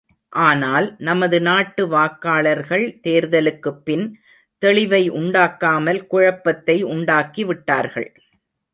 ஆனால், நமது நாட்டு வாக்காளர்கள் தேர்தலுக்குப் பின் தெளிவை உண்டாக்காமல் குழப்பத்தை உண்டாக்கிவிட்டார்கள்.